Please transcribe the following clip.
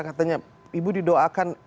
katanya ibu didoakan